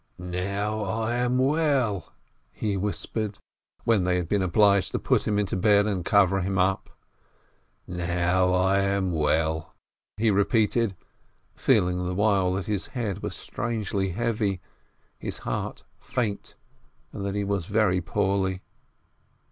"Now I am well," he whispered when they had been obliged to put him into bed and cover him up. "Now I am well," he repeated, feeling the while that his head was strangely heavy, his heart faint, and that he was very poorly.